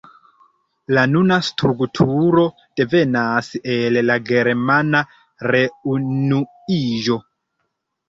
La nuna strukturo devenas el la germana reunuiĝo.